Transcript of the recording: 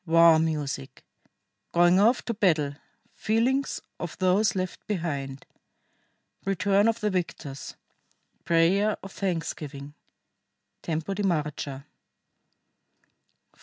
WAR MUSIC. GOING OFF TO BATTLE. FEELINGS OF THOSE LEFT BEHIND. RETURN OF THE VICTORS. PRAYER OF THANKSGIVING (Tempo di marcia) 4.